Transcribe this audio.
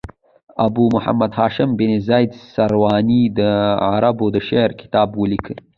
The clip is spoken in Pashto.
ابو محمد هاشم بن زید سرواني د عربو د شعر کتاب ولیکه.